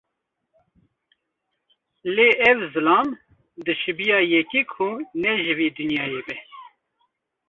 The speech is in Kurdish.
Lê ev zilam, dişibiya yekî ku ne ji vê dinyayê be.